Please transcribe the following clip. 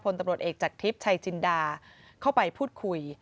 ตำรวจเอกจากทิพย์ชัยจินดาเข้าไปพูดคุย